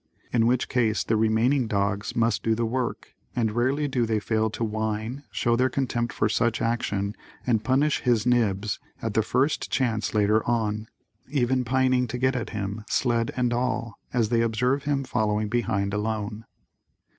In which case the remaining dogs must do the work and rarely do they fail to whine, show their contempt for such action and punish "His Nibs" at the first chance later on, even pining to get at him, sled and all, as they observe him following behind alone.